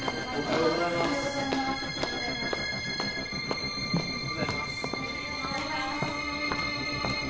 おはようございます。